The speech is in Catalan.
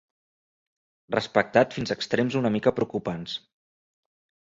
Respectat fins a extrems una mica preocupants.